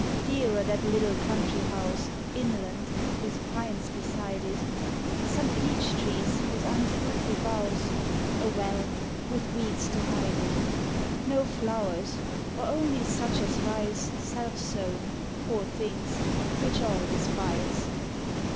Dearer that little country house, Inland, with pines beside it ; Some peach trees, with unfruitful boughs, A well, with weeds to hide it: No flowers, or only such as rise Self sown, poor things, which all despise.